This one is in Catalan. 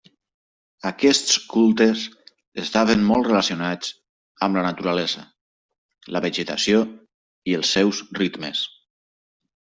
Aquests cultes estaven molt relacionats amb la naturalesa, la vegetació i els seus ritmes.